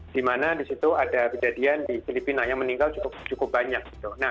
dimana disitu ada kejadian di filipina yang meninggal cukup banyak